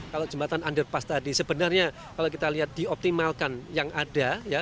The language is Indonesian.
kalau jembatan underpass tadi sebenarnya kalau kita lihat dioptimalkan yang ada